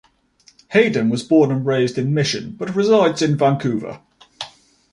Hayden was born and raised in Mission, but resides in Vancouver.